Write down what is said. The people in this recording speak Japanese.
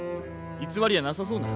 偽りはなさそうな。